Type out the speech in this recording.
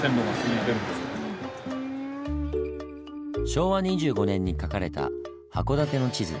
昭和２５年に描かれた函館の地図。